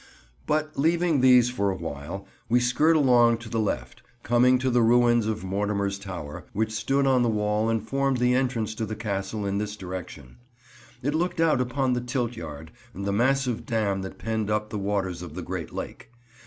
But, leaving these for a while, we skirt along to the left, coming to the ruins of Mortimer's Tower, which stood on the wall and formed the entrance to the Castle in this direction. It looked out upon the Tilt Yard and the massive dam that penned up the waters of the Great Lake.